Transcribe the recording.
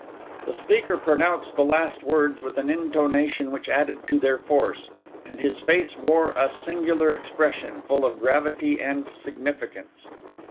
The speaker pronounced the last words with an intonation which added to their force; and his face wore a singular expression, full of gravity and significance.